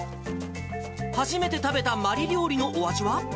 初めて食べたマリ料理のお味